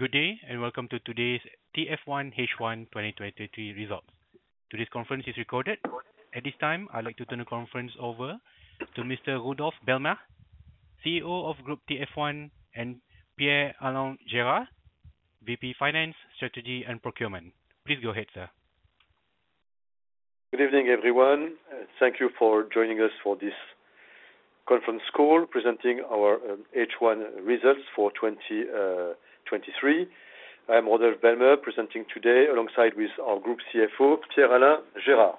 Good day, welcome to today's TF1 H1 2023 results. Today's conference is recorded. At this time, I'd like to turn the conference over to Mr. Rodolphe Belmer, CEO of TF1 Group, and Pierre-Alain Gérard, VP Finance, Strategy, and Procurement. Please go ahead, sir. Good evening, everyone. Thank you for joining us for this conference call presenting our H1 results for 2023. I'm Rodolphe Belmer, presenting today alongside with our group CFO, Pierre-Alain Gérard.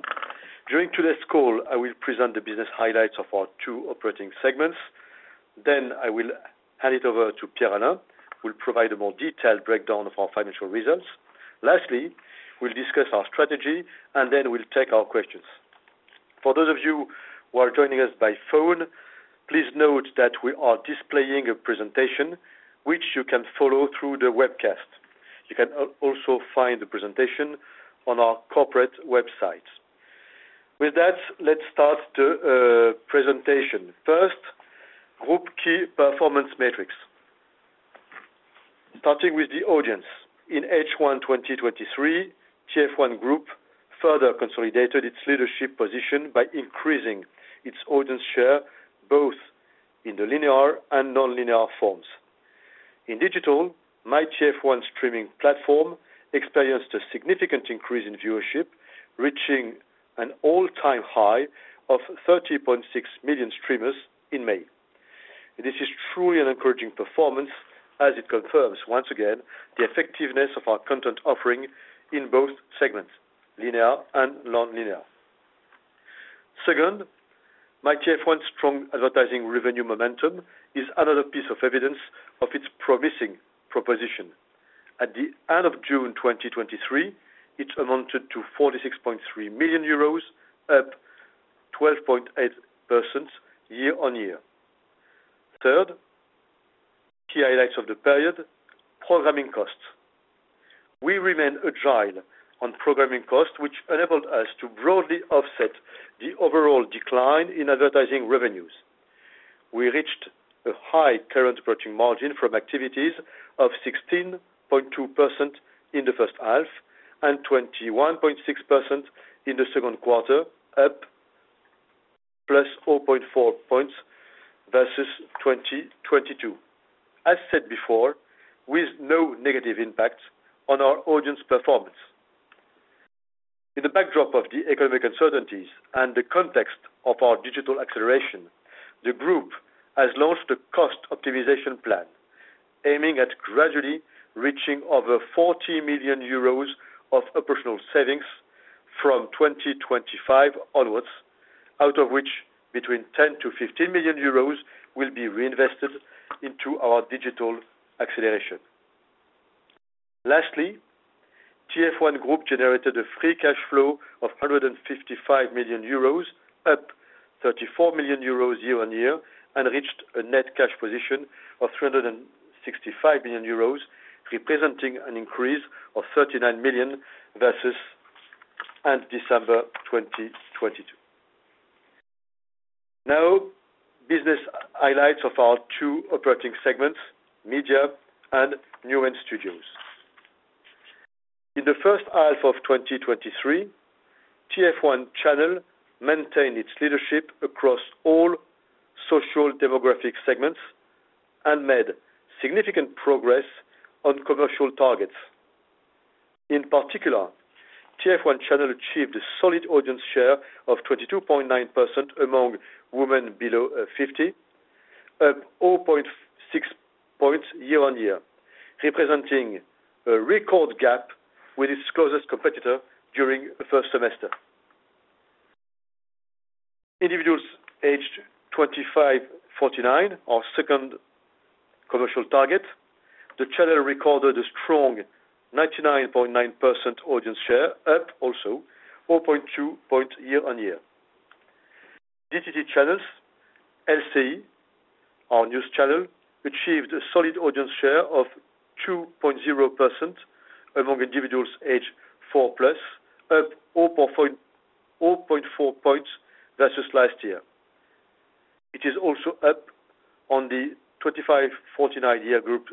During today's call, I will present the business highlights of our two operating segments. I will hand it over to Pierre-Alain, who will provide a more detailed breakdown of our financial results. Lastly, we'll discuss our strategy, and then we'll take our questions. For those of you who are joining us by phone, please note that we are displaying a presentation which you can follow through the webcast. You can also find the presentation on our corporate website. With that, let's start the presentation. First, group key performance metrics. Starting with the audience. In H1 2023, TF1 Group further consolidated its leadership position by increasing its audience share, both in the linear and nonlinear forms. In digital, MYTF1 streaming platform experienced a significant increase in viewership, reaching an all-time high of 30.6 million streamers in May. This is truly an encouraging performance as it confirms, once again, the effectiveness of our content offering in both segments, linear and non-linear. Second, MYTF1's strong advertising revenue momentum is another piece of evidence of its promising proposition. At the end of June 2023, it amounted to 46.3 million euros, up 12.8% year-on-year. Third, key highlights of the period, programming costs. We remain agile on programming costs, which enabled us to broadly offset the overall decline in advertising revenues. We reached a high current operating margin from activities of 16.2% in H1 and 21.6% in Q2, up +4.4 points versus 2022. As said before, with no negative impact on our audience performance. In the backdrop of the economic uncertainties and the context of our digital acceleration, the group has launched a cost optimization plan aiming at gradually reaching over 40 million euros of operational savings from 2025 onwards, out of which between 10 million-15 million euros will be reinvested into our digital acceleration. Lastly, TF1 Group generated a free cash flow of 155 million euros, up 34 million euros year-on-year, and reached a net cash position of 365 million euros, representing an increase of 39 million versus end December 2022. Business highlights of our two operating segments, media and Newen Studios. In the first half of 2023, TF1 maintained its leadership across all social demographic segments and made significant progress on commercial targets. In particular, TF1 channel achieved a solid audience share of 22.9% among women below 50, up 0.6 points year-on-year, representing a record gap with its closest competitor during the first semester. Individuals aged 25-49, our second commercial target, the channel recorded a strong 99.9% audience share, up also 4.2 points year-on-year. DTT Channels, LCI, our news channel, achieved a solid audience share of 2.0% among individuals aged 4+, up 0.4 points versus last year. It is also up on the 25-49 year group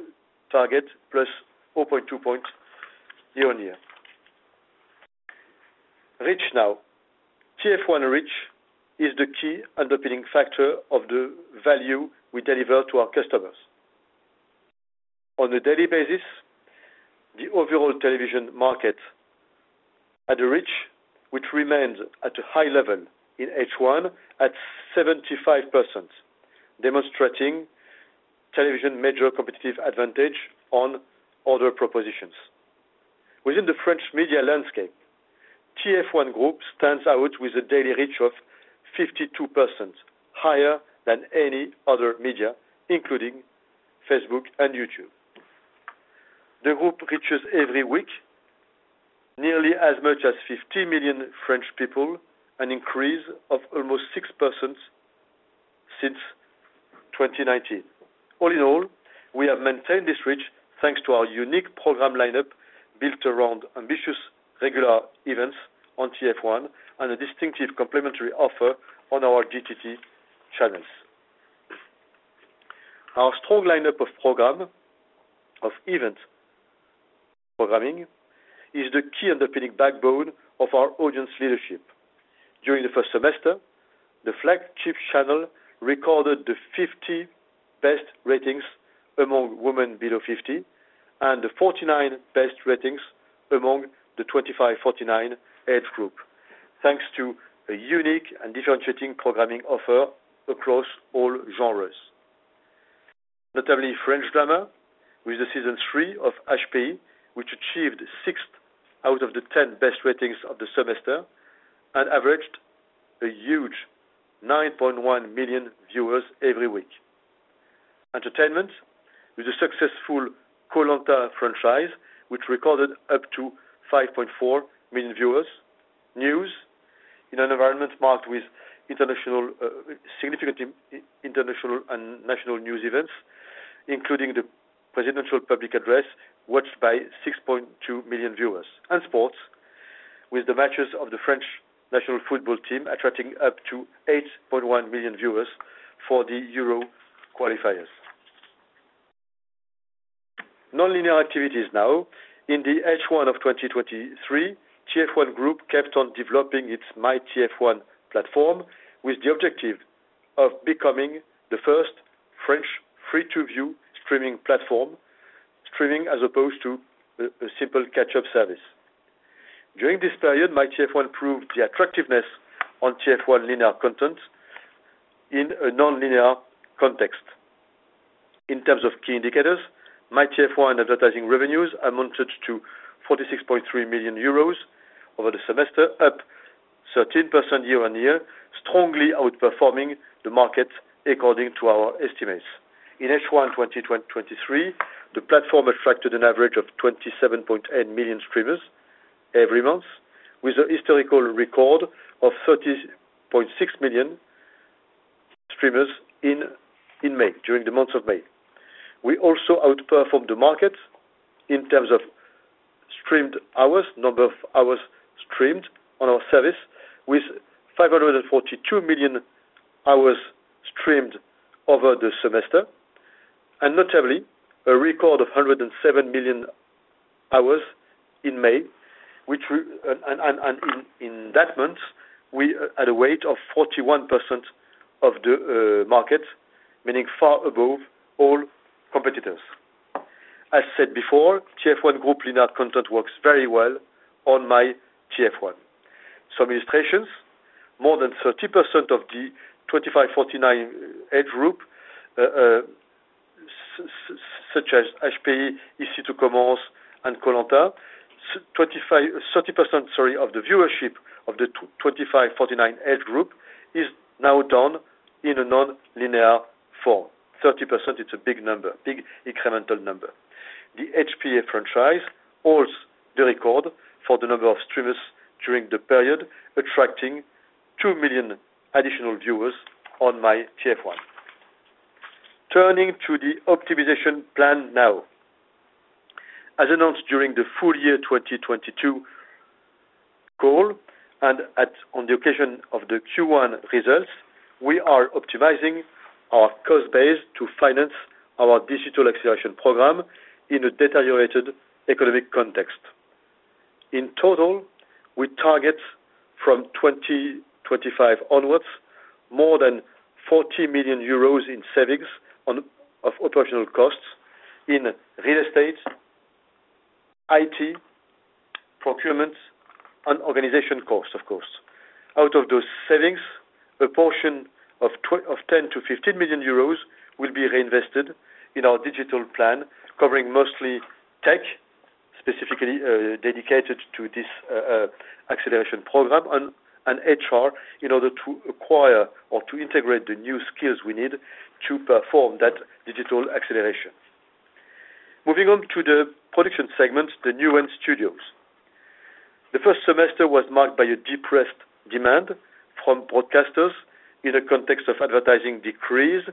target, plus 0.2 points year-on-year. Reach now. TF1 Reach is the key underpinning factor of the value we deliver to our customers. On a daily basis, the overall television market had a reach which remains at a high level in H1 at 75%, demonstrating television major competitive advantage on other propositions. Within the French media landscape, TF1 Group stands out with a daily reach of 52%, higher than any other media, including Facebook and YouTube. The group reaches every week, nearly as much as 50 million French people, an increase of almost 6% since 2019. All in all, we have maintained this reach thanks to our unique program lineup, built around ambitious regular events on TF1 and a distinctive complementary offer on our DTT channels. Our strong lineup of events programming is the key underpinning backbone of our audience leadership. During the first semester, the flagship channel recorded the 50 best ratings among women below 50, and the 49 best ratings among the 25-49 age group. Thanks to a unique and differentiating programming offer across all genres. Notably, French drama with the season three of HPI, which achieved 6th out of the 10 best ratings of the semester, and averaged a huge 9.1 million viewers every week. Entertainment with a successful Koh-Lanta franchise, which recorded up to 5.4 million viewers. News, in an environment marked with international, significant international and national news events, including the presidential public address, watched by 6.2 million viewers. Sports, with the matches of the French national football team, attracting up to 8.1 million viewers for the Euro qualifiers. Nonlinear activities now. In the H1 of 2023, TF1 Group kept on developing its MYTF1 platform, with the objective of becoming the first French free-to-view streaming platform, streaming as opposed to a simple catch-up service. During this period, MYTF1 proved the attractiveness on TF1 linear content in a non-linear context. In terms of key indicators, MYTF1 advertising revenues amounted to 46.3 million euros over the semester, up 13% year-on-year, strongly outperforming the market according to our estimates. In H1 2023, the platform attracted an average of 27.8 million streamers every month, with a historical record of 30.6 million streamers in May, during the month of May. We also outperformed the market in terms of streamed hours, number of hours streamed on our service, with 542 million hours streamed over the semester, notably a record of 107 million hours in May. In that month, we had a weight of 41% of the market, meaning far above all competitors. As said before, TF1 Group linear content works very well on MYTF1. Some illustrations, more than 30% of the 25-49 age group such as HPI, Ici tout commence, and Koh-Lanta. 25-30%, sorry, of the viewership of the 25-49 age group is now done in a non-linear form. 30%, it's a big number, big incremental number. The HPI franchise holds the record for the number of streamers during the period, attracting 2 million additional viewers on MYTF1. Turning to the optimization plan now. As announced during the full year 2022 call, on the occasion of the Q1 results, we are optimizing our cost base to finance our digital acceleration program in a deteriorated economic context. In total, we target from 2025 onwards, more than 40 million euros in savings of operational costs in real estate, IT, procurement, and organization costs, of course. Out of those savings, a portion of 10 million-15 million euros will be reinvested in our digital plan, covering mostly tech, specifically dedicated to this acceleration program and HR, in order to acquire or to integrate the new skills we need to perform that digital acceleration. Moving on to the production segment, the Newen Studios. The first semester was marked by a depressed demand from broadcasters in a context of advertising decrease,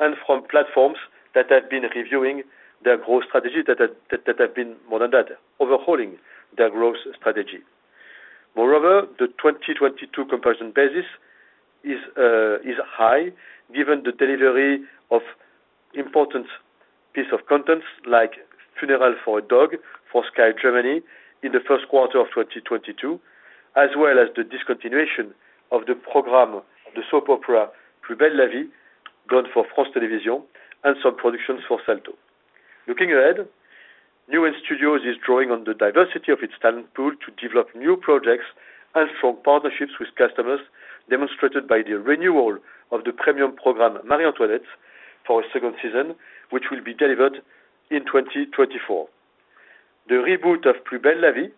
and from platforms that have been reviewing their growth strategy, that have been overhauling their growth strategy. Moreover, the 2022 comparison basis is high, given the delivery of important piece of content, like Funeral for a Dog, for Sky Deutschland in the first quarter of 2022, as well as the discontinuation of the program, the soap opera, Plus belle la vie, done for France Télévisions, and some productions for Salto. Looking ahead, Newen Studios is drawing on the diversity of its talent pool to develop new projects and strong partnerships with customers, demonstrated by the renewal of the premium program, Marie Antoinette, for a second season, which will be delivered in 2024. The reboot of Plus belle la vie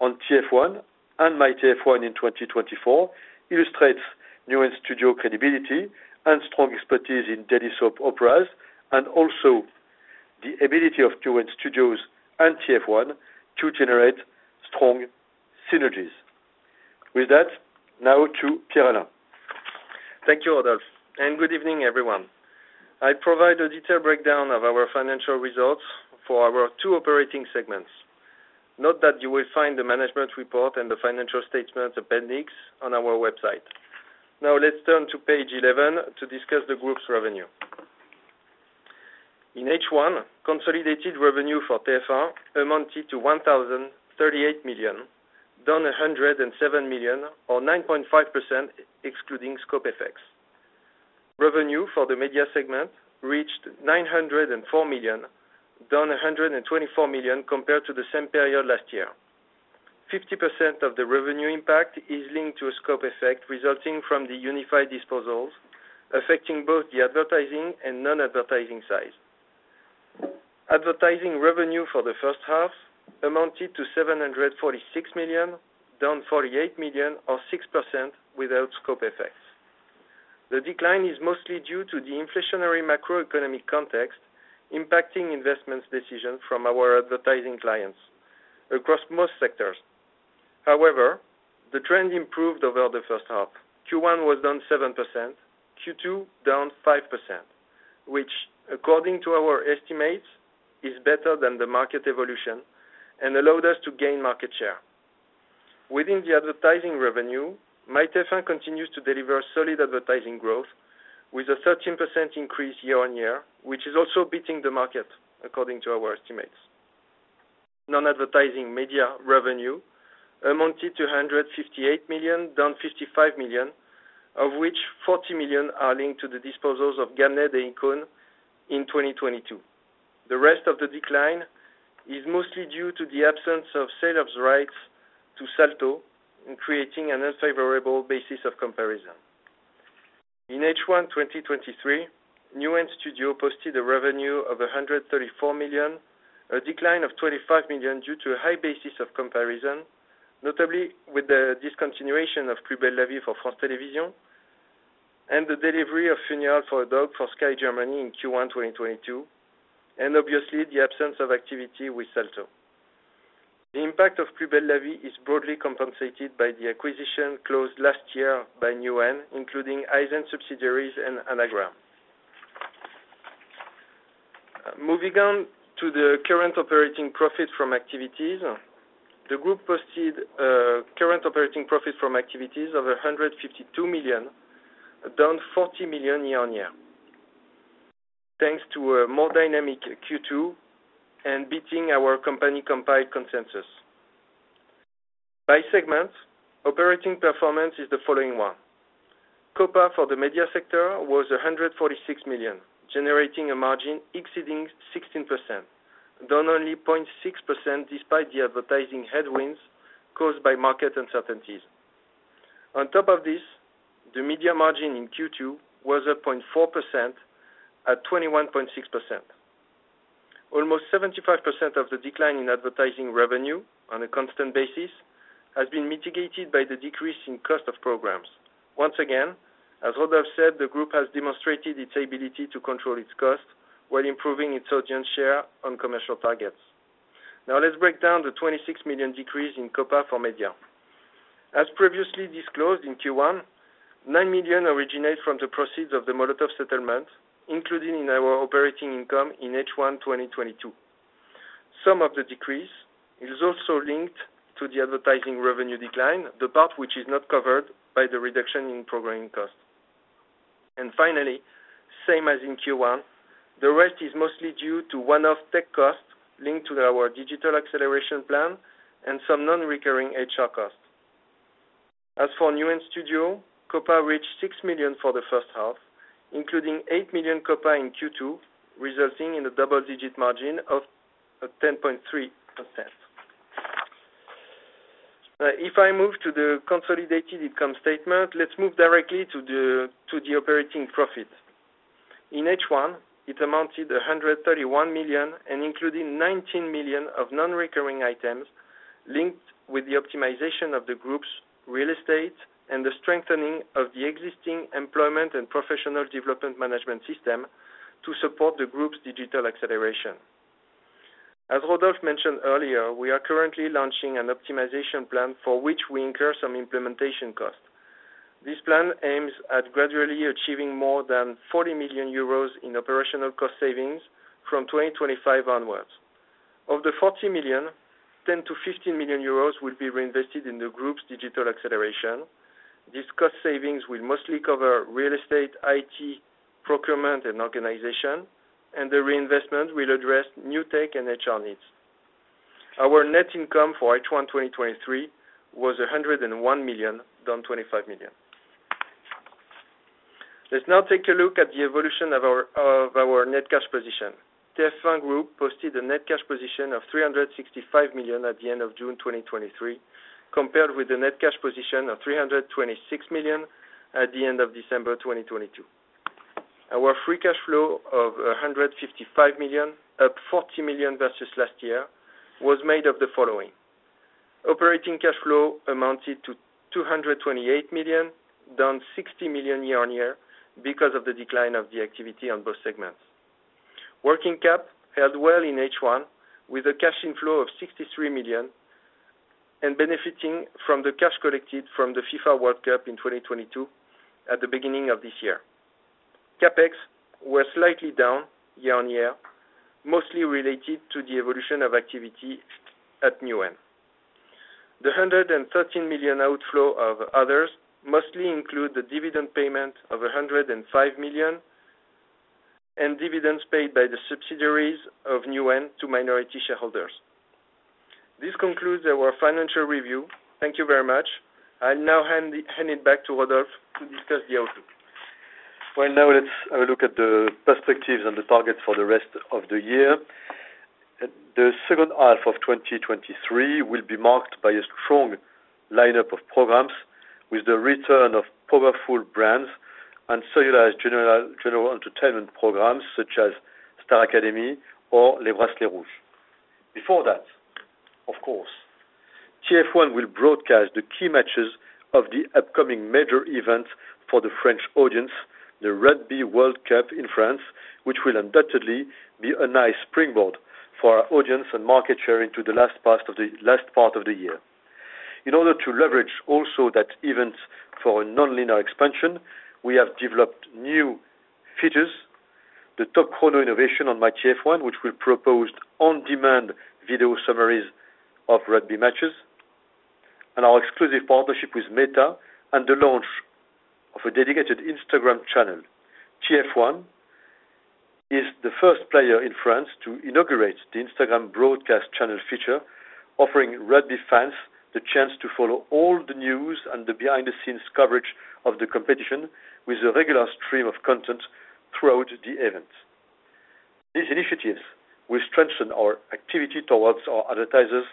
on TF1 and MYTF1 in 2024, illustrates Newen Studios credibility and strong expertise in daily soap operas, and also the ability of Newen Studios and TF1 to generate strong synergies. With that, now to Pierre-Alain. Thank you, Rodolphe. Good evening, everyone. I provide a detailed breakdown of our financial results for our two operating segments. Note that you will find the management report and the financial statements appendix on our website. Let's turn to page 11 to discuss the group's revenue. In H1, consolidated revenue for TF1 amounted to 1,038 million, down 107 million or 9.5%, excluding scope effects. Revenue for the media segment reached 904 million, down 124 million compared to the same period last year. 50% of the revenue impact is linked to a scope effect resulting from the Unify disposals, affecting both the advertising and non-advertising side. Advertising revenue for the first half amounted to 746 million, down 48 million, or 6% without scope effects. The decline is mostly due to the inflationary macroeconomic context, impacting investments decision from our advertising clients across most sectors. The trend improved over the first half. Q1 was down 7%, Q2 down 5%, which, according to our estimates, is better than the market evolution and allowed us to gain market share. Within the advertising revenue, MYTF1 continues to deliver solid advertising growth with a 13% increase year-on-year, which is also beating the market, according to our estimates. Non-advertising media revenue amounted to 158 million, down 55 million, of which 40 million are linked to the disposals of Gamned and Ykone in 2022. The rest of the decline is mostly due to the absence of sale of rights to Salto in creating an unfavorable basis of comparison. In H1, 2023, Newen Studios posted a revenue of 134 million, a decline of 25 million, due to a high basis of comparison, notably with the discontinuation of Plus belle la vie for France Télévisions, and the delivery of Funeral for a Dog for Sky Deutschland in Q1, 2022, and obviously, the absence of activity with Salto. The impact of Plus belle la vie is broadly compensated by the acquisition closed last year by Newen, including iZen subsidiaries and Anagram. Moving on to the current operating profit from activities. The group posted current operating profit from activities of 152 million, down 40 million year-on-year. Thanks to a more dynamic Q2 and beating our company compiled consensus. By segment, operating performance is the following one: COPA for the media sector was 146 million, generating a margin exceeding 16%, down only 0.6%, despite the advertising headwinds caused by market uncertainties. On top of this, the media margin in Q2 was at 0.4%, at 21.6%. Almost 75% of the decline in advertising revenue on a constant basis, has been mitigated by the decrease in cost of programs. Once again, as Rodolphe said, the group has demonstrated its ability to control its cost while improving its audience share on commercial targets. Let's break down the 26 million decrease in COPA for media. As previously disclosed in Q1, 9 million originates from the proceeds of the Molotov settlement, including in our operating income in H1, 2022. Some of the decrease is also linked to the advertising revenue decline, the part which is not covered by the reduction in programming costs. Finally, same as in Q1, the rest is mostly due to one-off tech costs linked to our digital acceleration plan and some non-recurring HR costs. As for Newen Studios, COPA reached 6 million for the first half, including 8 million COPA in Q2, resulting in a double-digit margin of 10.3%. If I move to the consolidated income statement, let's move directly to the operating profit. In H1, it amounted to 131 million, including 19 million of non-recurring items linked with the optimization of the group's real estate and the strengthening of the existing employment and professional development management system to support the group's digital acceleration. As Rodolphe mentioned earlier, we are currently launching an optimization plan for which we incur some implementation costs. This plan aims at gradually achieving more than 40 million euros in operational cost savings from 2025 onwards. Of the 40 million, 10 million-15 million euros will be reinvested in the group's digital acceleration. These cost savings will mostly cover real estate, IT, procurement, and organization, and the reinvestment will address new tech and HR needs. Our net income for H1 2023 was 101 million, down 25 million. Let's now take a look at the evolution of our net cash position. TF1 Group posted a net cash position of 365 million at the end of June 2023, compared with a net cash position of 326 million at the end of December 2022. Our free cash flow of 155 million, up 40 million versus last year, was made of the following: operating cash flow amounted to 228 million, down 60 million year-on-year because of the decline of the activity on both segments. Working Cap held well in H1, with a cash inflow of 63 million. Benefiting from the cash collected from the FIFA World Cup in 2022, at the beginning of this year. CapEx were slightly down year-on-year, mostly related to the evolution of activity at Newen. The 113 million outflow of others, mostly include the dividend payment of 105 million, and dividends paid by the subsidiaries of Newen to minority shareholders. This concludes our financial review. Thank you very much. I'll now hand it back to Rodolphe to discuss the outlook. Now let's have a look at the perspectives and the targets for the rest of the year. The second half of 2023 will be marked by a strong lineup of programs, with the return of powerful brands and serialized general entertainment programs such as Star Academy or Les Bracelets Rouges. Before that, of course, TF1 will broadcast the key matches of the upcoming major events for the French audience, the Rugby World Cup in France, which will undoubtedly be a nice springboard for our audience and market share into the last part of the year. In order to leverage also that event for a non-linear expansion, we have developed new features, the Top Chrono innovation on MYTF1, which will propose on-demand video summaries of rugby matches, and our exclusive partnership with Meta, and the launch of a dedicated Instagram channel. TF1 is the first player in France to inaugurate the Instagram broadcast channel feature, offering rugby fans the chance to follow all the news and the behind-the-scenes coverage of the competition, with a regular stream of content throughout the event. These initiatives will strengthen our activity towards our advertisers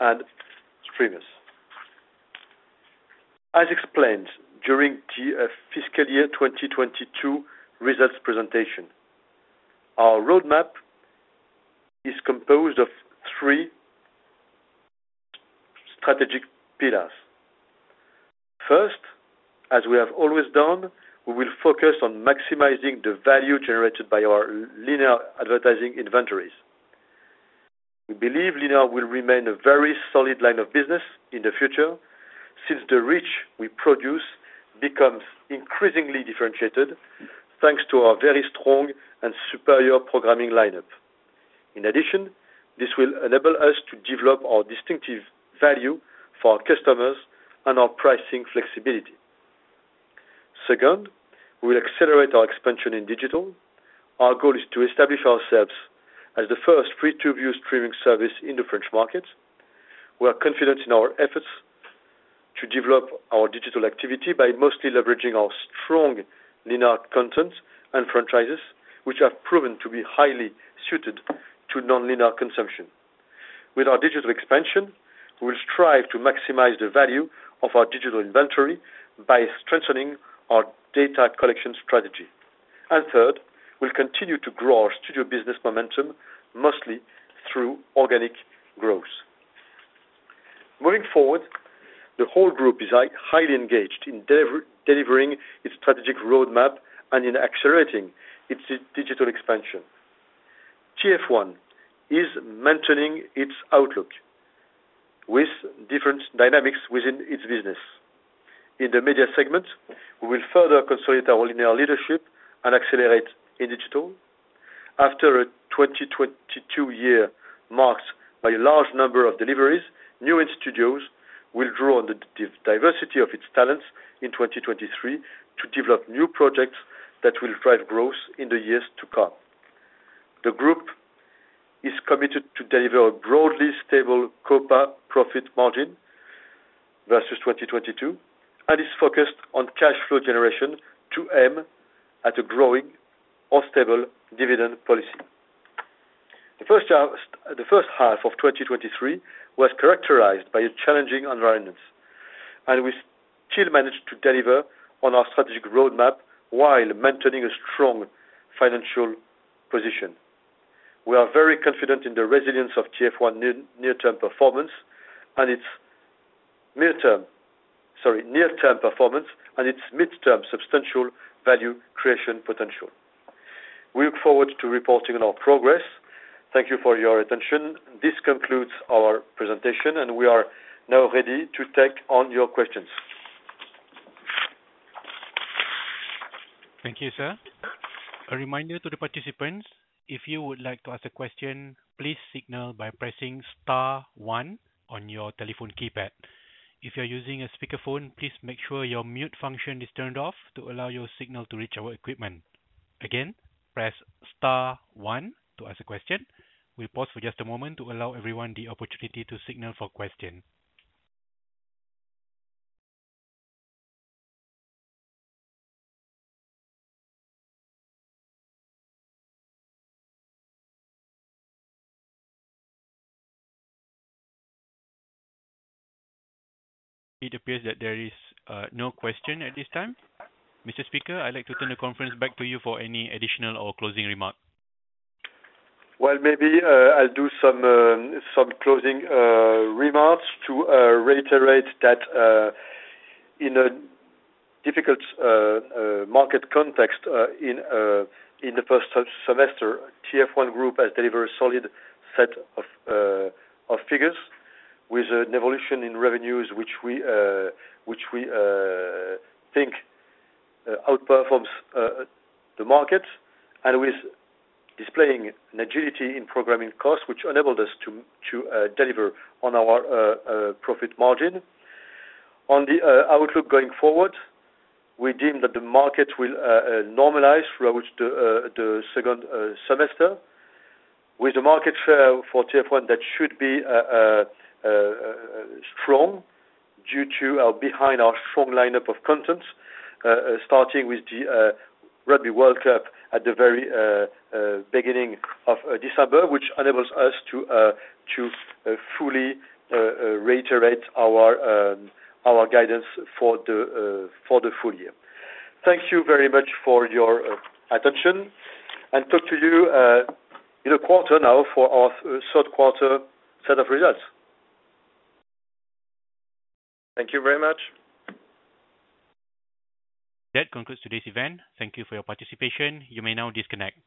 and streamers. As explained during the fiscal year 2022 results presentation, our roadmap is composed of three strategic pillars. First, as we have always done, we will focus on maximizing the value generated by our linear advertising inventories. We believe linear will remain a very solid line of business in the future, since the reach we produce becomes increasingly differentiated, thanks to our very strong and superior programming lineup. In addition, this will enable us to develop our distinctive value for our customers and our pricing flexibility. Second, we will accelerate our expansion in digital. Our goal is to establish ourselves as the first free-to-view streaming service in the French market. We are confident in our efforts to develop our digital activity by mostly leveraging our strong linear content and franchises, which have proven to be highly suited to non-linear consumption. With our digital expansion, we will strive to maximize the value of our digital inventory by strengthening our data collection strategy. Third, we'll continue to grow our studio business momentum, mostly through organic growth. Moving forward, the whole group is highly engaged in delivering its strategic roadmap and in accelerating its digital expansion. TF1 is maintaining its outlook with different dynamics within its business. In the media segment, we will further consolidate our linear leadership and accelerate in digital. After a 2022 year marked by a large number of deliveries, Newen Studios will draw on the diversity of its talents in 2023, to develop new projects that will drive growth in the years to come. The group is committed to deliver a broadly stable COPA profit margin versus 2022, is focused on cash flow generation to aim at a growing or stable dividend policy. The first half of 2023 was characterized by a challenging environment, We still managed to deliver on our strategic roadmap while maintaining a strong financial position. We are very confident in the resilience of TF1 near-term performance near-term performance and its midterm substantial value creation potential. We look forward to reporting on our progress. Thank you for your attention. This concludes our presentation, and we are now ready to take on your questions. Thank you, sir. A reminder to the participants, if you would like to ask a question, please signal by pressing star one on your telephone keypad. If you are using a speakerphone, please make sure your mute function is turned off to allow your signal to reach our equipment. Again, press star one to ask a question. We'll pause for just a moment to allow everyone the opportunity to signal for question. It appears that there is no question at this time. Mr. Speaker, I'd like to turn the conference back to you for any additional or closing remark. Well, maybe, I'll do some closing remarks to reiterate that in a difficult market context in the first half semester, TF1 Group has delivered a solid set of figures with an evolution in revenues, which we, which we, think, outperforms the market, and with displaying an agility in programming costs, which enabled us to deliver on our profit margin. On the outlook going forward, we deem that the market will normalize throughout the second semester, with a market share for TF1 that should be strong due to our strong lineup of content, starting with the Rugby World Cup at the very beginning of December, which enables us to fully reiterate our guidance for the full year. Thank you very much for your attention, and talk to you in a quarter now for our third quarter set of results. Thank you very much. That concludes today's event. Thank you for your participation. You may now disconnect.